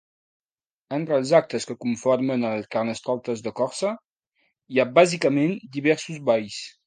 Entre els actes que conformen el carnestoltes de Corçà hi ha, bàsicament, diversos balls.